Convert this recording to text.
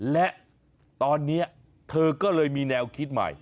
และตอนนี้เธอก็เลยมีแนวคิดใหม่